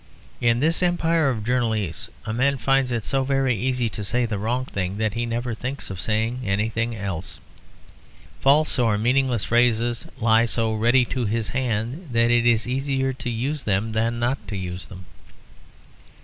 In this empire of journalese a man finds it so very easy to say the wrong thing that he never thinks of saying anything else. False or meaningless phrases lie so ready to his hand that it is easier to use them than not to use them.